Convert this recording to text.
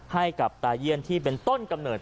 ให้กับตายี่ยนที่เป็นต้นกำเนิด